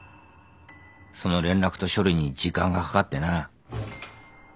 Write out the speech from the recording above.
その連絡と処理に時間がかかってな。